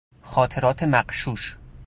خاطرات مغشوش